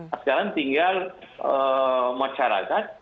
nah sekarang tinggal masyarakat